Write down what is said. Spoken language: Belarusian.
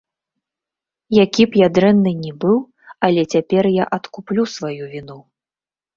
Які б я дрэнны ні быў, але цяпер я адкуплю сваю віну.